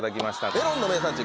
メロンの名産地